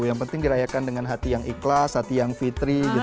yang penting dirayakan dengan hati yang ikhlas hati yang fitri